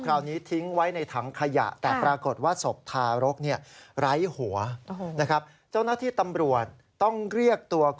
คราวนี้ทิ้งไว้ในถังขยะ